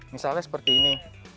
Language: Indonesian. misalnya seperti ini